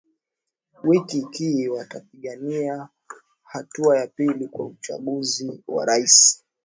waki ki watapigania hatua ya pili kwa uchaguzi wa rais